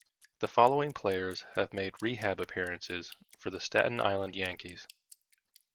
The Following players have made rehab appearances for the Staten Island Yankees.